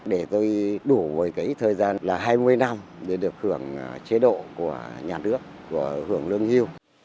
để tôi đủ với cái thời gian là hai mươi năm để được hưởng chế độ của nhà nước của hưởng lương hưu